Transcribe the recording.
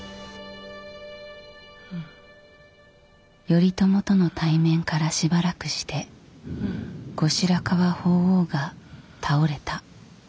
頼朝との対面からしばらくして後白河法皇が倒れた。